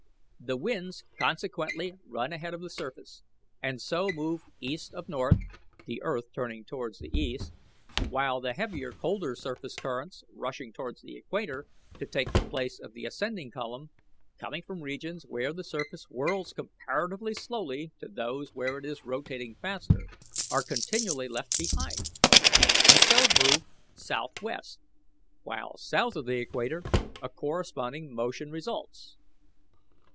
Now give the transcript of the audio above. The winds consequently run ahead of the surface, and so move east of north the earth turning towards the east while the heavier colder surface currents, rushing towards the equator to take the place of the ascending column, coming from regions where the surface whirls comparatively slowly to those where it is rotating faster, are continually left behind, and so move southwest; while south of the equator a corresponding motion results.